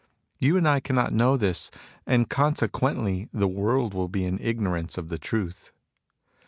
You and I cannot know this, and consequently the world will be in ignorance of the truth.